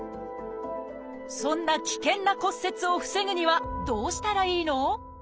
そんな危険な骨折を防ぐにはどうしたらいいの？